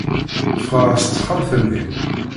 Ffɣeɣ seg texxamt-nni.